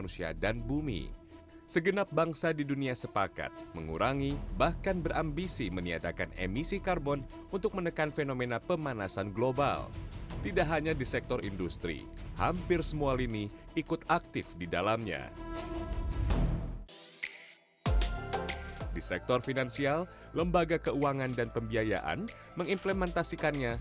sampai jumpa di video selanjutnya